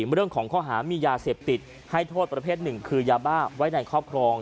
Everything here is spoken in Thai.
เรื่องของข้อหามียาเสพติดให้โทษประเภทหนึ่งคือยาบ้าไว้ในครอบครอง